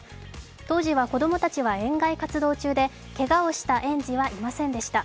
当時は子供たちは園外活動中でけがをした園児はいませんでした。